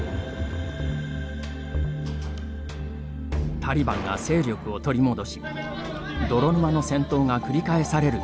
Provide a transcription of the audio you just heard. タリバンが勢力を取り戻し泥沼の戦闘が繰り返される日々。